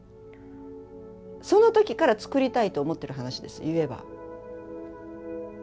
その時から作りたいと思ってる話です言えば。